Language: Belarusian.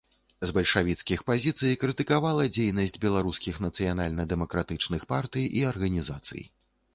З бальшавіцкіх пазіцый крытыкавала дзейнасць беларускіх нацыянальна-дэмакратычных партый і арганізацый.